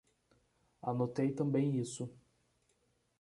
Anotei também isso.